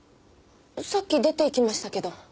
さっき出ていきましたけど。